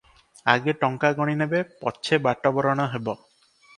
ଆଗେ ଟଙ୍କା ଗଣିନେବେ, ପଛେ ବାଟବରଣ ହେବ ।